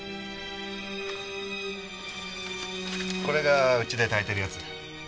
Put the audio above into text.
これがうちでたいてるやつ。